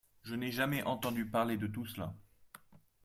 Je n'avais jamais entendu parler de tout cela !